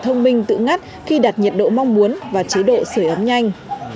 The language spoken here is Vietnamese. thông minh tự ngắt khi đặt nhiệt độ mong muốn và chế độ sửa ấm nhanh